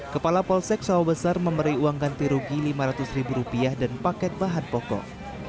kepala polsek sawah besar memberi uang ganti rugi lima ratus ribu rupiah dan paket bahan pokok